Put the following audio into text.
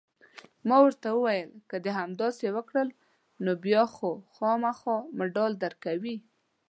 ما ورته وویل: که دې همداسې وکړل، نو بیا خو خامخا مډال درکوي.